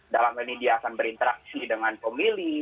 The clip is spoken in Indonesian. dalam ini dia akan berinteraksi dengan pemilih